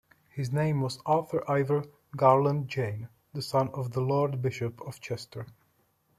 His name was Arthur Ivor Garland Jayne, son of The Lord Bishop of Chester.